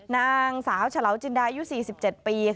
นางสาวฉลาวจินดายุ๔๗ปี